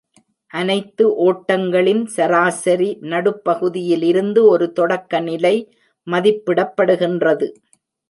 அனைத்து ஓட்டங்களின் சராசரி நடுப்பகுதியிலிருந்து ஒரு தொடக்கநிலை மதிப்பிடப்படுகின்றது.